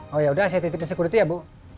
oh ya udah saya titipin security ya ibu